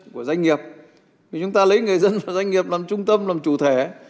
của doanh nghiệp vì chúng ta lấy người dân và doanh nghiệp làm trung tâm làm chủ thể